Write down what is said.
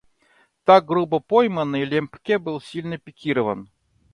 Так грубо пойманный, Лембке был сильно пикирован.